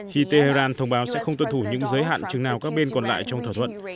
khi tehran thông báo sẽ không tuân thủ những giới hạn chừng nào các bên còn lại trong thỏa thuận